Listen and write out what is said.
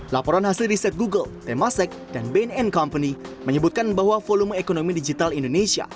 laporan hasil riset google temasek dan bnn company menyebutkan bahwa volume ekonomi digital indonesia